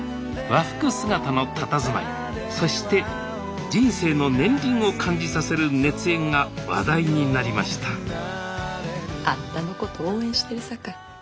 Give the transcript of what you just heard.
和服姿のたたずまいそして人生の年輪を感じさせる熱演が話題になりましたあんたのこと応援してるさかい。